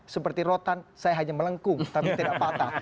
seperti rotan saya hanya melengkung tapi tidak patah